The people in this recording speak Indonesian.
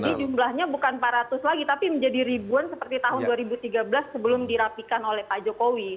jadi jumlahnya bukan empat ratus lagi tapi menjadi ribuan seperti tahun dua ribu tiga belas sebelum dirapikan oleh pak jokowi